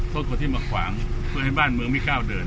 คนที่มาขวางเพื่อให้บ้านเมืองไม่ก้าวเดิน